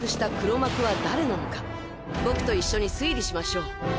僕と一緒に推理しましょう。